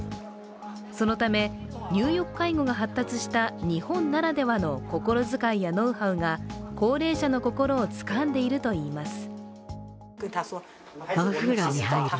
そのため、入浴介護が発達した日本ならではの心遣いやノウハウが高齢者の心をつかんでいるといいます。